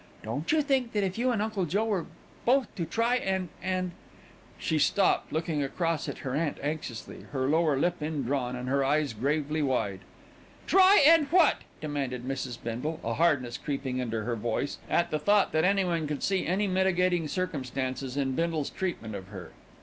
"Don't you think that if you and Uncle Joe were both to try and and " she stopped, looking across at her aunt anxiously, her lower lip indrawn and her eyes gravely wide. "Try and what?" demanded Mrs. Bindle, a hardness creeping into her voice at the thought that anyone could see any mitigating circumstance in Bindle's treatment of her.